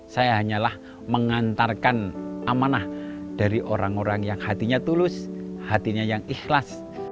saya hanyalah mengantarkan amanah dari orang orang yang hatinya tulus hatinya yang ikhlas